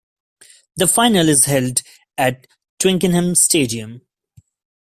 The final is held at Twickenham Stadium.